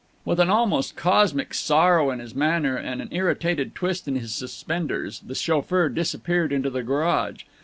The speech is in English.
With an almost cosmic sorrow in his manner and an irritated twist in his suspenders, the chauffeur disappeared into the garage.